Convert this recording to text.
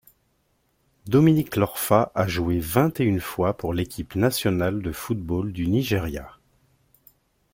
Dominic Iorfa a joué vingt-et-une fois pour l'équipe nationale de football du Nigeria.